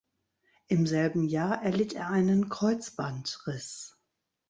Im selben Jahr erlitt er einen Kreuzbandriss.